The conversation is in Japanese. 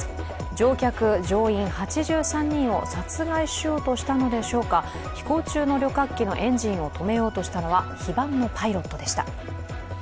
乗客乗員８３人を殺害しようとしたのでしょうか、飛行中の旅客機のエンジンを止めようとしたのは非番のパイロットでした。